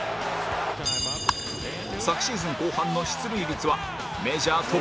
昨シーズン後半の出塁率はメジャートップレベル